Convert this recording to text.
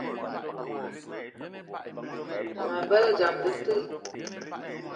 Me gbelé dam le te